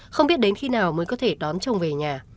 không biết đến khi nào mới có thể đón chồng về nhà